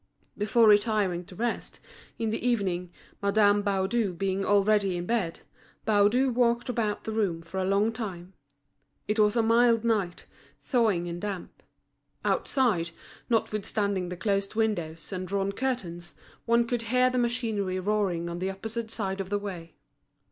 Before retiring to rest, in the evening, Madame Baudu being already in bed, Baudu walked about the room for a long time. It was a mild night, thawing and damp. Outside, notwithstanding the closed windows, and drawn curtains, one could hear the machinery roaring on the opposite side of the way.